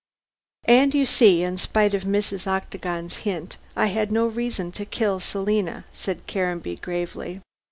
"And you see, in spite of Mrs. Octagon's hint, I had no reason to kill Selina," said Caranby gravely.